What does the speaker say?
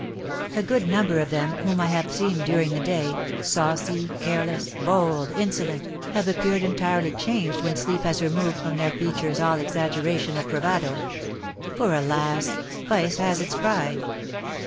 A good number of them, whom I have seen during the day, saucy, careless, bold, insolent, have appeared entirely changed when sleep has removed from their features all exaggeration of bravado; for, alas, vice has its pride!